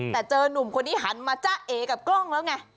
แต่เจอนุ่มคนนี้หันมาจ้าเอกับกล้องแล้วไง